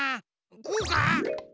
こうか？